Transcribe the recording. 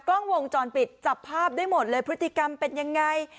กล้องวงจรปิดจับภาพได้หมดเลยพฤติกรรมเป็นยังไง